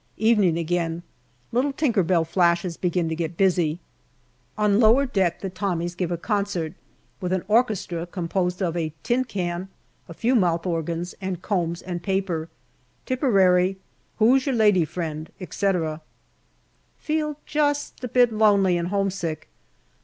Evening again. Little " Tinker Bell " flashes begin to get busy. On lower deck the Tommies give a concert, with an orchestra composed of a tin can, a few mouth organs, and combs and paper " Tipperary," " Who's your Lady Friend ?" etc. Feel just a bit lonely and homesick.